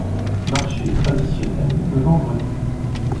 Marché traditionnel le vendredi.